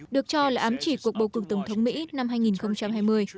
được cho là ám chỉ cuộc bầu cử tổng thống mỹ năm hai nghìn hai mươi